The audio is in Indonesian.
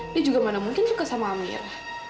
dia juga mana mungkin suka sama amir